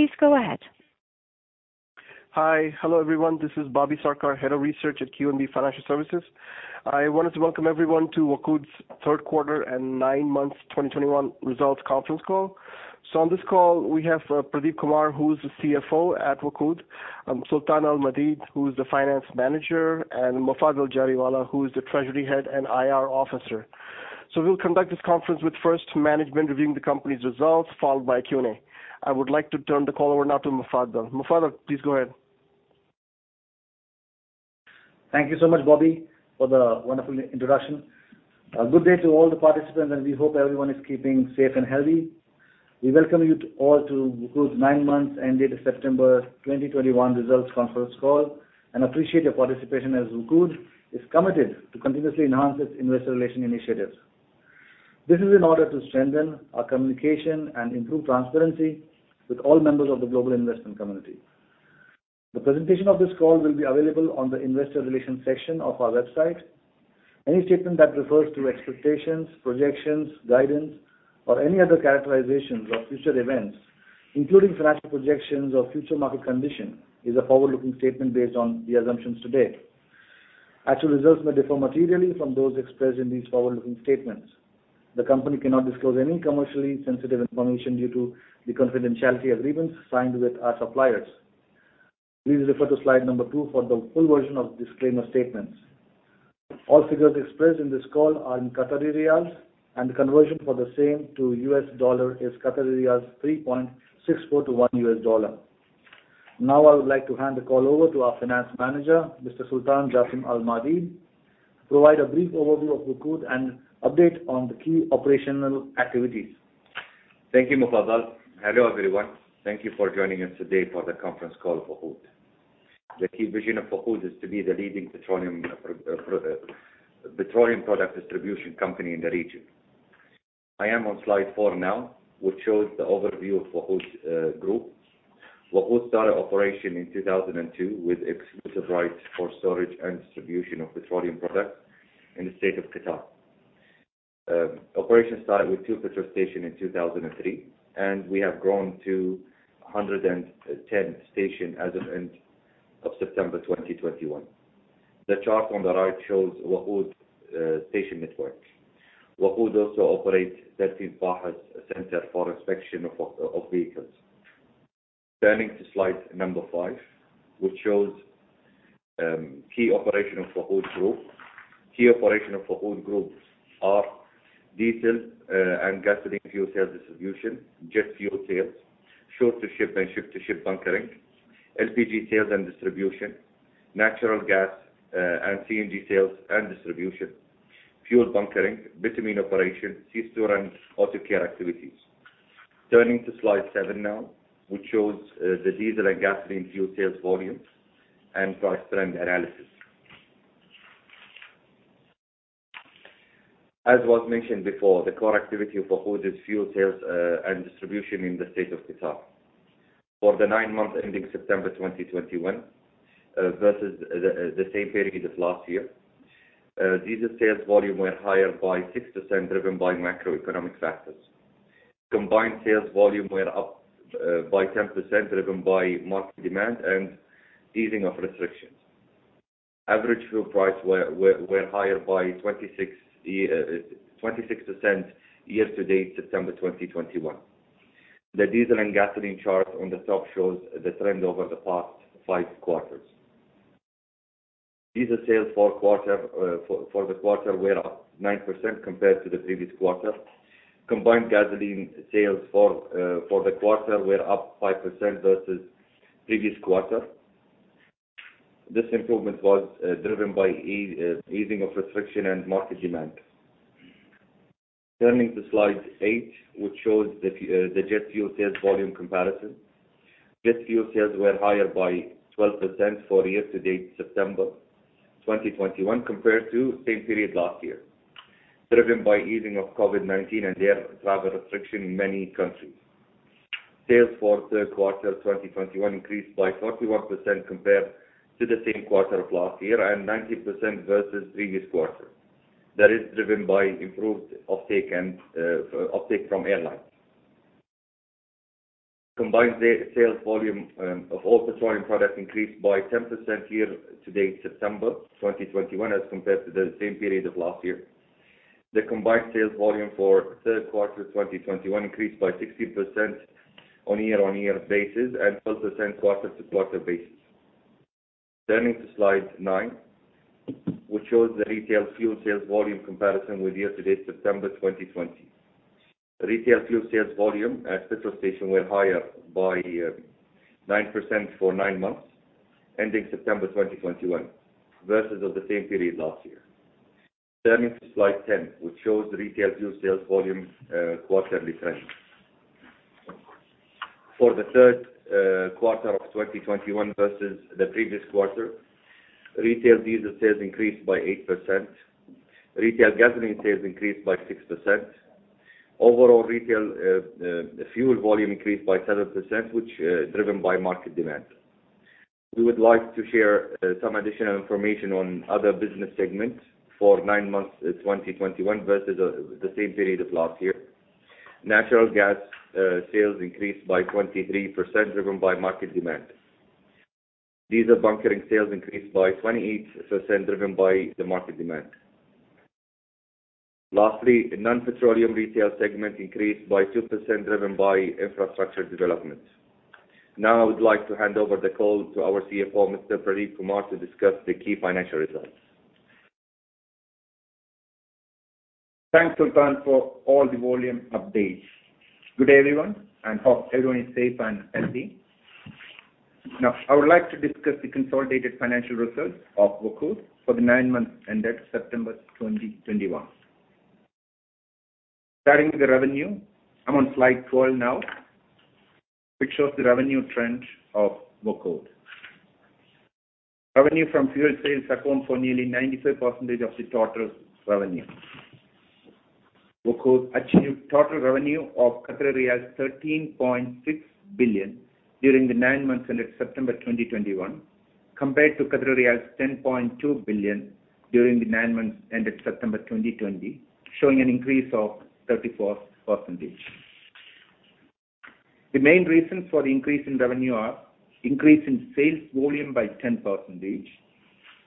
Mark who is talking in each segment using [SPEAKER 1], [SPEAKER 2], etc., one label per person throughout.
[SPEAKER 1] Please go ahead.
[SPEAKER 2] Hi. Hello, everyone. This is Bobby Sarkar, Head of Research at QNB Financial Services. I wanted to welcome everyone to WOQOD's Q3 and Nine Months 2021 Results Conference Call. On this call, we have Pradeep Kumar, who is the CFO at WOQOD, Sultan Jassim Al-Maadeed, who is the Finance Manager, and Mufaddal Jariwala, who is the Treasury Head and IR Officer. We'll conduct this conference with first management reviewing the company's results, followed by Q&A. I would like to turn the call over now to Mufaddal. Mufaddal, please go ahead.
[SPEAKER 3] Thank you so much, Bobby, for the wonderful introduction. Good day to all the participants, and we hope everyone is keeping safe and healthy. We welcome you all to WOQOD's Nine Months, Ended September 2021 Results Conference Call and appreciate your participation as WOQOD is committed to continuously enhance its investor relation initiatives. This is in order to strengthen our communication and improve transparency with all members of the global investment community. The presentation of this call will be available on the investor relations section of our website. Any statement that refers to expectations, projections, guidance, or any other characterizations of future events, including financial projections or future market condition, is a forward-looking statement based on the assumptions to date. Actual results may differ materially from those expressed in these forward-looking statements. The company cannot disclose any commercially sensitive information due to the confidentiality agreements signed with our suppliers. Please refer to slide number two for the full version of disclaimer statements. All figures expressed in this call are in Qatari riyals, and the conversion for the same to U.S. dollar is 3.64 to $1. Now, I would like to hand the call over to our Finance Manager, Mr. Sultan Jassim Al-Maadeed, to provide a brief overview of WOQOD and update on the key operational activities.
[SPEAKER 4] Thank you, Mufaddal. Hello, everyone. Thank you for joining us today for the conference call, WOQOD. The key vision of WOQOD is to be the leading petroleum product distribution company in the region. I am on slide four now, which shows the overview of WOQOD Group. WOQOD started operation in 2002 with exclusive rights for storage and distribution of petroleum products in the state of Qatar. Operation started with two petrol stations in 2003, and we have grown to 110 stations as of end of September 2021. The chart on the right shows WOQOD station network. WOQOD also operate 13 FAHES centers for inspection of vehicles. Turning to slide number five, which shows key operation of WOQOD Group. Key operation of WOQOD Group are diesel and gasoline fuel sales distribution, jet fuel sales, shore-to-ship and ship-to-ship bunkering, LPG sales and distribution, natural gas and CNG sales and distribution, fuel bunkering, bitumen operation, c-store, and auto care activities. Turning to slide seven now, which shows the diesel and gasoline fuel sales volumes and price trend analysis. As was mentioned before, the core activity of WOQOD is fuel sales and distribution in the state of Qatar. For the nine months ending September 2021 versus the same period of last year, diesel sales volume were higher by 6%, driven by macroeconomic factors. Combined sales volume were up by 10%, driven by market demand and easing of restrictions. Average fuel price were higher by 26% year-to-date September 2021. The diesel and gasoline chart on the top shows the trend over the past five quarters. Diesel sales for the quarter were up 9% compared to the previous quarter. Combined gasoline sales for the quarter were up 5% versus the previous quarter. This improvement was driven by easing of restriction and market demand. Turning to slide eight, which shows the jet fuel sales volume comparison. Jet fuel sales were higher by 12% for year-to-date September 2021 compared to the same period last year, driven by easing of COVID-19 and air travel restriction in many countries. Sales for Q3 2021 increased by 31% compared to the same quarter of last year and 19% versus the previous quarter. That is driven by improved offtake from airlines. Combined sales volume of all petroleum products increased by 10% year-to-date September 2021 as compared to the same period of last year. The combined sales volume for the Q3 2021 increased by 16% on a year-on-year basis, and 12% quarter-to-quarter basis. Turning to slide nine, which shows the retail fuel sales volume comparison with year-to-date September 2020. Retail fuel sales volume at petrol stations were higher by 9% for nine months ending September 2021 versus the same period last year. Turning to slide 10, which shows the retail fuel sales volume quarterly trend. For the Q3 of 2021 versus the previous quarter, retail diesel sales increased by 8%. Retail gasoline sales increased by 6%. Overall retail fuel volume increased by 7%, which is driven by market demand. We would like to share some additional information on other business segments for nine months 2021 versus the same period of last year. Natural gas sales increased by 23%, driven by market demand. diesel bunkering sales increased by 28%, driven by the market demand. Lastly, Non-petroleum Retail segment increased by 2%, driven by infrastructure development. I would like to hand over the call to our CFO, Mr. Pradeep Kumar, to discuss the key financial results.
[SPEAKER 5] Thanks, Sultan, for all the volume updates. Good day, everyone, and hope everyone is safe and healthy. Now, I would like to discuss the consolidated financial results of WOQOD for the nine months ended September 2021. Starting with the revenue, I'm on slide 12 now, which shows the revenue trend of WOQOD. Revenue from fuel sales account for nearly 95% of the total revenue. WOQOD achieved total revenue of 13.6 billion during the nine months ended September 2021 compared to 10.2 billion during the nine months ended September 2020, showing an increase of 34%. The main reasons for the increase in revenue are increase in sales volume by 10%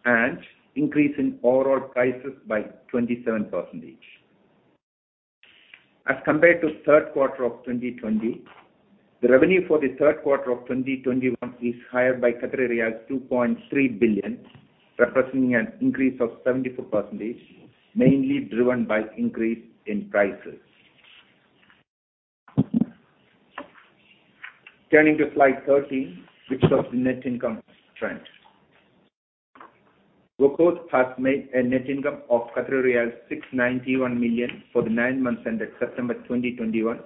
[SPEAKER 5] and increase in overall prices by 27%. As compared to Q3 of 2020, the revenue for the Q3 of 2021 is higher by 2.3 billion, representing an increase of 74%, mainly driven by increase in prices. Turning to slide 13, which shows the net income trend. WOQOD has made a net income of 691 million for the nine months ended September 2021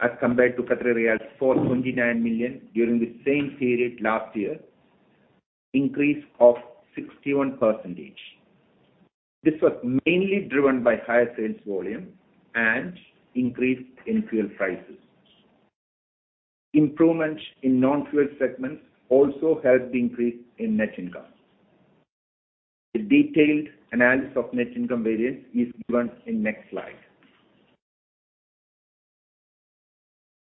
[SPEAKER 5] as compared to 429 million during the same period last year, increase of 61%. This was mainly driven by higher sales volume and increase in fuel prices. Improvements in non-fuel segments also helped the increase in net income. The detailed analysis of net income variance is given in next slide.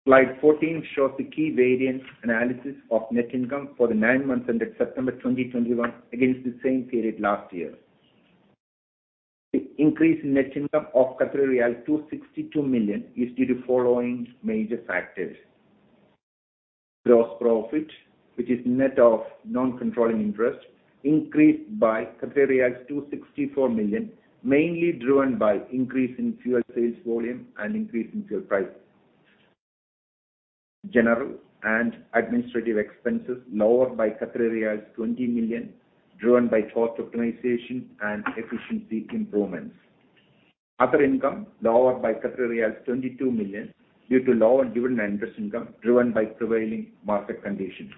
[SPEAKER 5] Slide 14 shows the key variance analysis of net income for the nine months ended September 2021 against the same period last year. The increase in net income of 262 million is due to following major factors. Gross profit, which is net of non-controlling interest, increased by 264 million, mainly driven by increase in fuel sales volume and increase in fuel price. General and administrative expenses lowered by 20 million, driven by cost optimization and efficiency improvements. Other income lowered by 22 million due to lower dividend interest income driven by prevailing market conditions.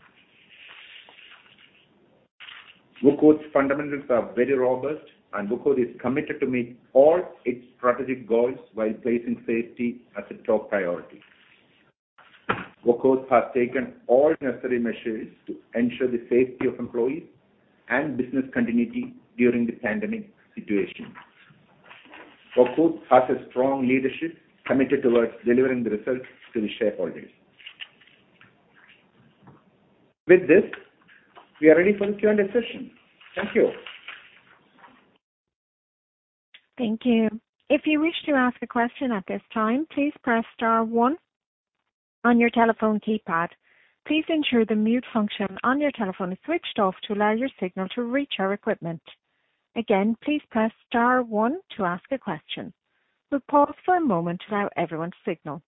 [SPEAKER 5] WOQOD's fundamentals are very robust, and WOQOD is committed to meet all its strategic goals while placing safety as a top priority. WOQOD has taken all necessary measures to ensure the safety of employees and business continuity during the pandemic situation. WOQOD has a strong leadership committed towards delivering the results to the shareholders. With this, we are ready for Q&A session. Thank you.
[SPEAKER 1] Thank you. If you wish to ask a question please press star one on your telephone keypad. Please ensure that your mute function on your telephone is switched off to allow your signal to reach our equipment. Again, please press star one to ask a question. We'll pause for a moment to allow everyone's signal.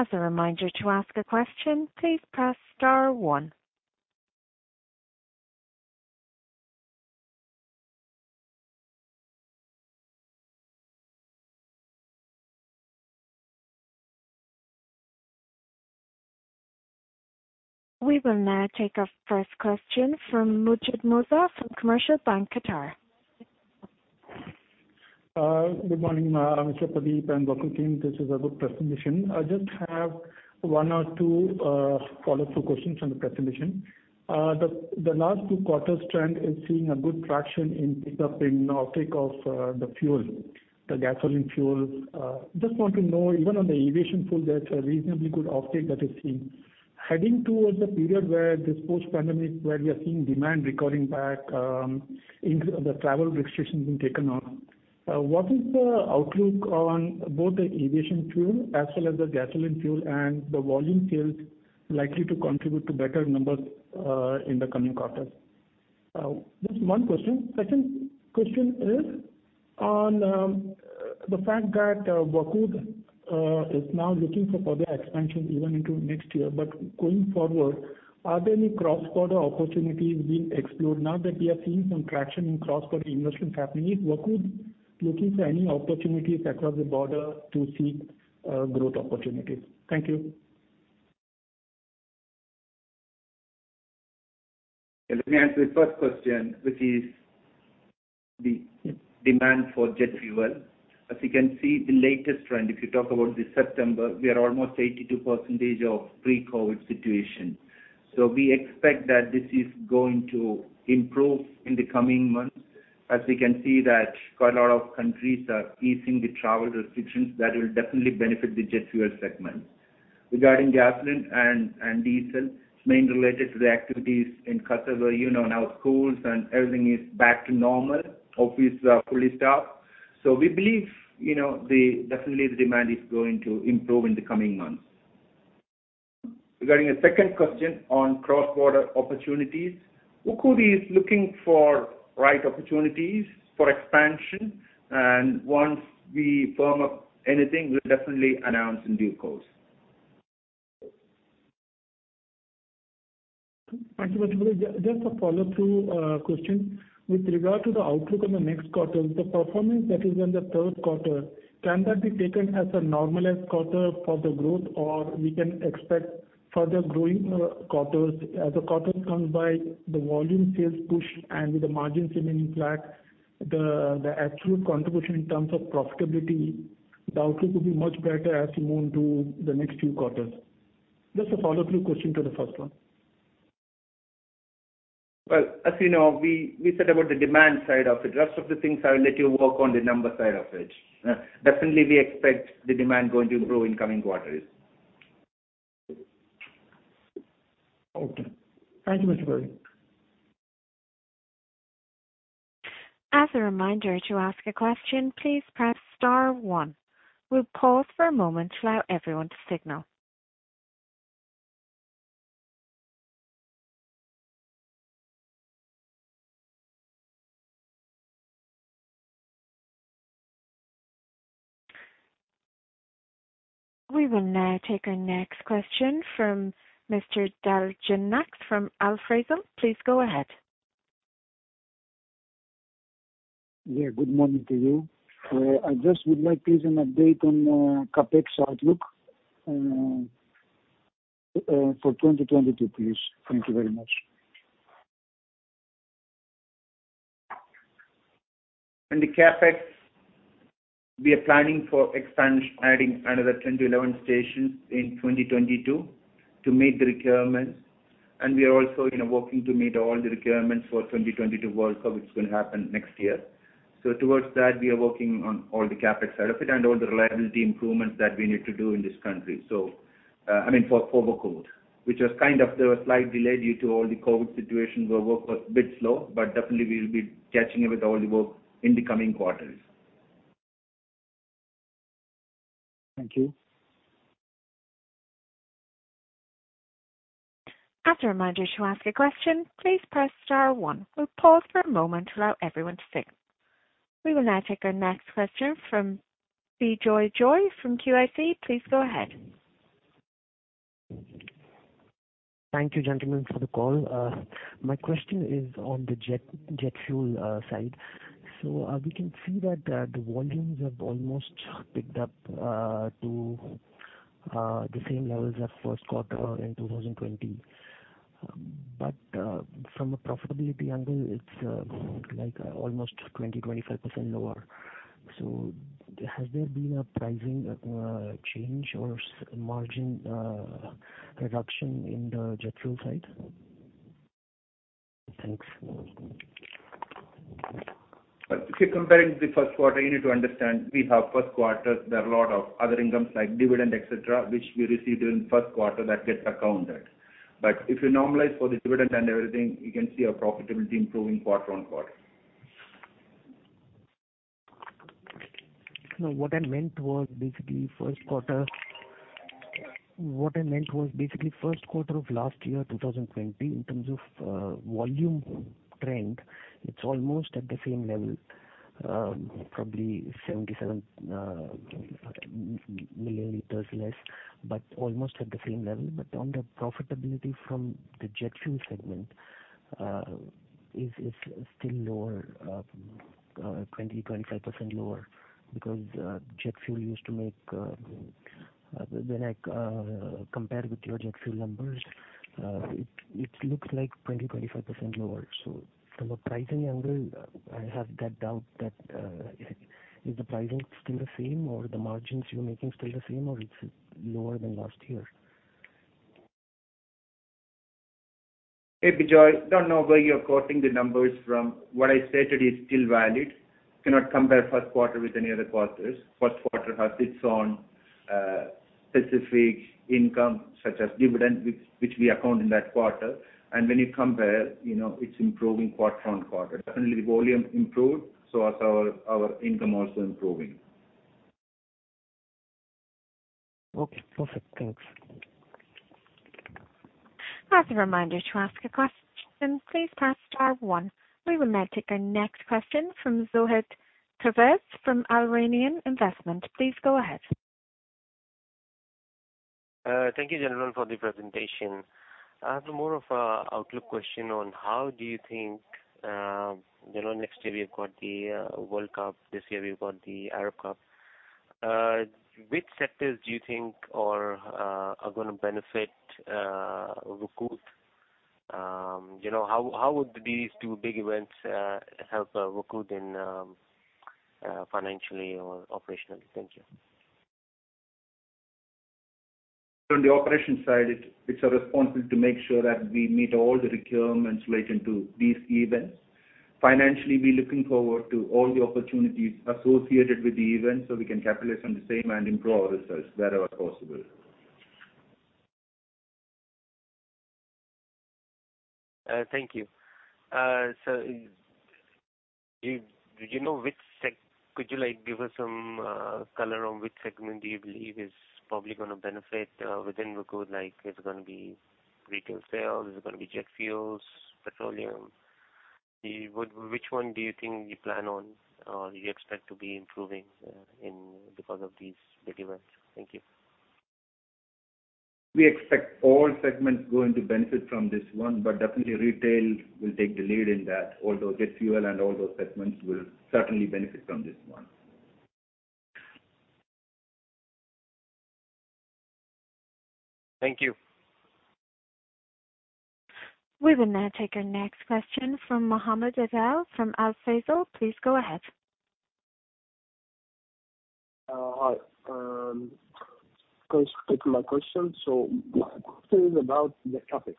[SPEAKER 1] As a reminder to ask a question please press star one. We will now take our first question from [Mujid Moza] from Commercial Bank Qatar.
[SPEAKER 6] Good morning, Mr. Pradeep and WOQOD team. This is a good presentation. I just have one or two follow-up questions from the presentation. The last two quarters' trend is seeing a good traction in pick-up in off-take of the fuel, the gasoline fuel. Just want to know, even on the jet fuel, there's a reasonably good off-take that is seen. Heading towards the period where this post-pandemic, where we are seeing demand recording back, the travel restrictions being taken off, what is the outlook on both the jet fuel as well as the gasoline fuel and the volume sales likely to contribute to better numbers in the coming quarters? Just one question. Second question is on the fact that WOQOD is now looking for further expansion even into next year. Going forward, are there any cross-border opportunities being explored now that we are seeing some traction in cross-border investments happening? Is WOQOD looking for any opportunities across the border to seek growth opportunities? Thank you.
[SPEAKER 5] Let me answer the first question, which is the demand for jet fuel. As you can see, the latest trend, if you talk about this September, we are almost 82% of pre-COVID-19 situation. We expect that this is going to improve in the coming months, as we can see that quite a lot of countries are easing the travel restrictions, that will definitely benefit the jet fuel segment. Regarding gasoline and diesel, it's mainly related to the activities in Qatar where now schools and everything is back to normal. Offices are fully staffed. We believe, definitely the demand is going to improve in the coming months. Regarding the second question on cross-border opportunities, WOQOD is looking for right opportunities for expansion, and once we firm up anything, we'll definitely announce in due course.
[SPEAKER 6] Thank you very much. Just a follow-through question. With regard to the outlook on the next quarter, the performance that is in the Q3, can that be taken as a normalized quarter for the growth? We can expect further growing quarters as the quarters come by, the volume sales push and with the margins remaining flat, the actual contribution in terms of profitability, the outlook will be much better as we move to the next few quarters. Just a follow-through question to the first one.
[SPEAKER 5] Well, as you know, we said about the demand side of it. Rest of the things, I will let you work on the number side of it. Definitely, we expect the demand going to grow in coming quarters.
[SPEAKER 6] Okay. Thank you, Mr. Pradeep.
[SPEAKER 1] As a reminder, to ask a question, please press star one. We will pause for a moment to allow everyone to signal. We will now take our next question from Mr. [Darjanax] from Al Faisal. Please go ahead.
[SPEAKER 7] Yeah. Good morning to you. I just would like please an update on CapEx outlook for 2022, please. Thank you very much.
[SPEAKER 5] On the CapEx, we are planning for expansion, adding another 10 to 11 stations in 2022 to meet the requirements. We are also working to meet all the requirements for 2022 World Cup. It's going to happen next year. Towards that, we are working on all the CapEx side of it and all the reliability improvements that we need to do in this country. I mean, for COVID. There was slight delay due to all the COVID situation, but definitely we will be catching up with all the work in the coming quarters.
[SPEAKER 7] Thank you.
[SPEAKER 1] As a reminder, to ask a question, please press star one. We will pause for a moment to allow everyone to signal. We will now take our next question from Bijoy Joy from QIC. Please go ahead.
[SPEAKER 8] Thank you, gentlemen, for the call. My question is on the jet fuel side. We can see that the volumes have almost picked up to the same levels as Q1 in 2020. From a profitability angle, it's almost 20%-25% lower. Has there been a pricing change or margin reduction in the jet fuel side? Thanks.
[SPEAKER 5] If you're comparing the Q1, you need to understand, we have Q1s, there are a lot of other incomes like dividend, et cetera, which we received in Q1 that gets accounted. If you normalize for the dividend and everything, you can see our profitability improving quarter-on-quarter.
[SPEAKER 8] What I meant was basically Q1 of last year, 2020, in terms of volume trend, it is almost at the same level, probably 77 ml less, but almost at the same level. On the profitability from the jet fuel segment, is still lower, 20%-25% lower because, when I compare with your jet fuel numbers, it looks like 20%-25% lower. From a pricing angle, I have that doubt that, is the pricing still the same, or the margins you are making still the same or it is lower than last year?
[SPEAKER 5] Hey, Bijoy. Don't know where you're quoting the numbers from. What I stated is still valid. You cannot compare Q1 with any other quarters. Q1 has its own specific income, such as dividend, which we account in that quarter. When you compare, it's improving quarter-over-quarter. Definitely the volume improved, so as our income also improving.
[SPEAKER 8] Okay, perfect. Thanks.
[SPEAKER 1] As a reminder, to ask a question, please press star one. We will now take our next question from Zohaib Pervez from Al Rayan Investment. Please go ahead.
[SPEAKER 9] Thank you, gentlemen, for the presentation. I have more of a outlook question on how do you think, next year we've got the World Cup, this year we've got the Arab Cup? Which sectors do you think are going to benefit WOQOD? How would these two big events help WOQOD financially or operationally? Thank you.
[SPEAKER 5] On the operations side, it's our responsibility to make sure that we meet all the requirements relating to these events. Financially, we're looking forward to all the opportunities associated with the event so we can capitalize on the same and improve our results wherever possible.
[SPEAKER 9] Thank you. Could you give us some color on which segment do you believe is probably going to benefit within WOQOD? Is it going to be retail sales? Is it going to be jet fuels, petroleum? Which one do you think you plan on or you expect to be improving because of these big events? Thank you.
[SPEAKER 5] We expect all segments are going to benefit from this one, but definitely retail will take the lead in that, although jet fuel and all those segments will certainly benefit from this one.
[SPEAKER 9] Thank you.
[SPEAKER 1] We will now take our next question from Mohammed Adel from Al Faisal. Please go ahead.
[SPEAKER 10] Hi. First, particular question. My question is about the CapEx.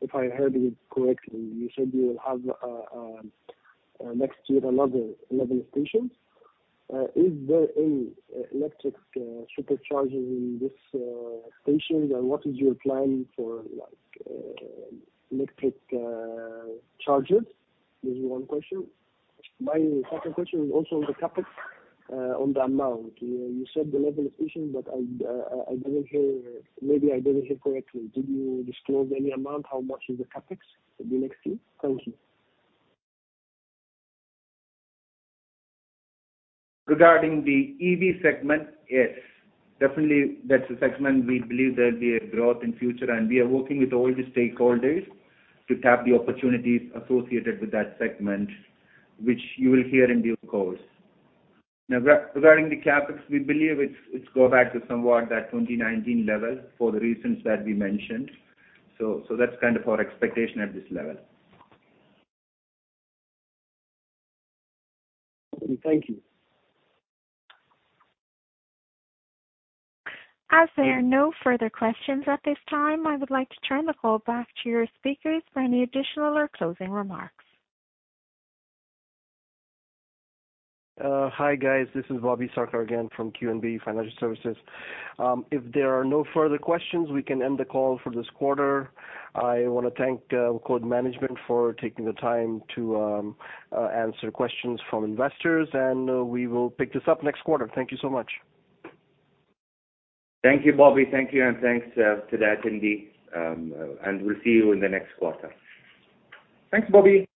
[SPEAKER 10] If I heard you correctly, you said you will have next year 11 stations. Is there any electric supercharging in this station, and what is your plan for electric chargers? This is one question. My second question is also on the CapEx, on the amount. You said 11 stations, but maybe I didn't hear correctly. Did you disclose any amount? How much is the CapEx to be next year? Thank you.
[SPEAKER 5] Regarding the EV segment, yes, definitely that's a segment we believe there'll be a growth in future, and we are working with all the stakeholders to tap the opportunities associated with that segment, which you will hear in due course. Regarding the CapEx, we believe it goes back to somewhat that 2019 level for the reasons that we mentioned. That's kind of our expectation at this level.
[SPEAKER 10] Thank you.
[SPEAKER 1] As there are no further questions at this time, I would like to turn the call back to your speakers for any additional or closing remarks.
[SPEAKER 2] Hi, guys. This is Bobby Sarkar again from QNB Financial Services. If there are no further questions, we can end the call for this quarter. I want to thank WOQOD management for taking the time to answer questions from investors. We will pick this up next quarter. Thank you so much.
[SPEAKER 5] Thank you, Bobby. Thank you, and thanks to the attendee, and we'll see you in the next quarter.
[SPEAKER 3] Thanks, Bobby.